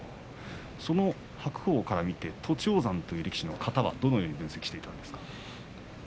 その白鵬から見て栃煌山という力士の型はどのように分析していますか？